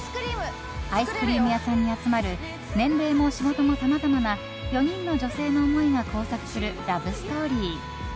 アイスクリーム屋さんに集まる年齢も仕事もさまざまな４人の女性の思いが交錯するラブストーリー。